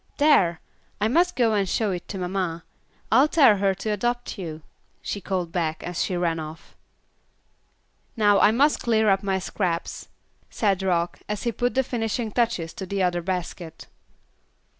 There! I must go and show it to mamma. I'll tell her to adopt you," she called back, as she ran off. "Now I must clear up my scraps," said Rock, as he put the finishing touches to the other basket.